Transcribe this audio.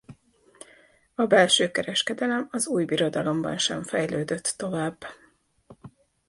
A belső kereskedelem az Újbirodalomban sem fejlődött tovább.